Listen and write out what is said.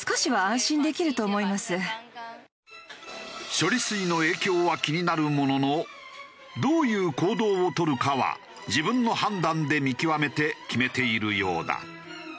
処理水の影響は気になるもののどういう行動を取るかは自分の判断で見極めて決めているようだ。